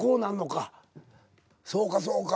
そうかそうか。